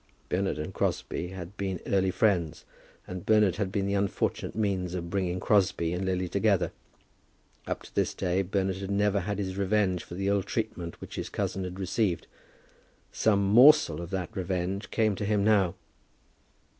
Bernard and Crosbie had been early friends, and Bernard had been the unfortunate means of bringing Crosbie and Lily together. Up to this day, Bernard had never had his revenge for the ill treatment which his cousin had received. Some morsel of that revenge came to him now.